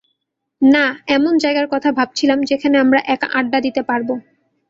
না, এমন জায়গার কথা ভাবছিলাম যেখানে আমরা একা আড্ডা দিতে পারব।